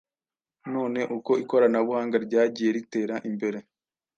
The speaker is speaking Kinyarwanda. None uko ikoranabuhanga ryagiye ritera imbere,